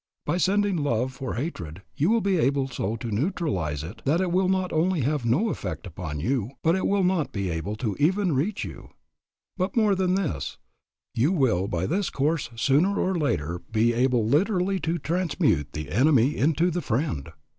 By sending love for hatred you will be able so to neutralize it that it will not only have no effect upon you, but will not be able even to reach you. But more than this, you will by this course sooner or later be able literally to transmute the enemy into the friend.